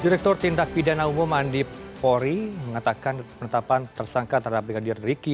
direktur tindak pidana umum andi pori mengatakan penetapan tersangka terhadap brigadir riki